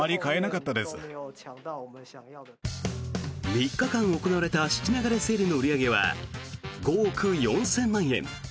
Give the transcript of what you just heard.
３日間行われた質流れセールの売り上げは５億４０００万円。